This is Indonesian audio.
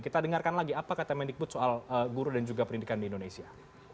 kita dengarkan lagi apa kata mendikbud soal guru dan juga pendidikan di indonesia